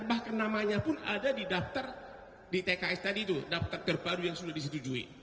bahkan namanya pun ada di daftar di tks tadi itu daftar terbaru yang sudah disetujui